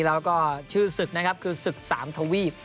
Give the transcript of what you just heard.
แล้วก็ชื่อศึกนะครับคือศึกสามทวีป